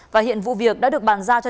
và hiện vụ việc đã được bàn ra cho